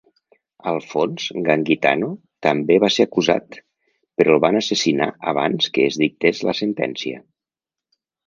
Alphonse Gangitano també va ser acusat, però el van assassinar abans que es dictés la sentència.